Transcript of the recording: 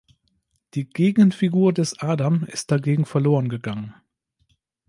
Die Gegenfigur des Adam ist dagegen verloren gegangen.